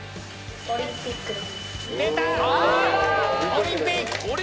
「オリンピック」。